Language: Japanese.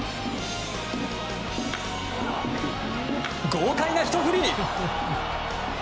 豪快なひと振り。